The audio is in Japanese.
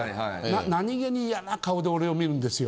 何気に嫌な顔で俺を見るんですよ。